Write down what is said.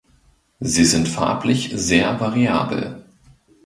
Sie sind farblich sehr variabel.